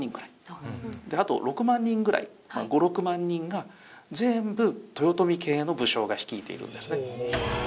であと６万人ぐらい５６万人が全部豊臣系の武将が率いているんですね。